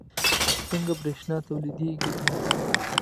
څنګه بریښنا تولیدیږي